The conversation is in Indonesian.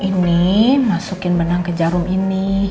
ini masukin benang ke jarum ini